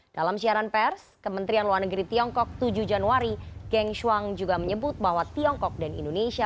dalam siaran pers kementerian luar negeri tiongkok tujuh januari geng shuang juga menyebut bahwa tiongkok dan indonesia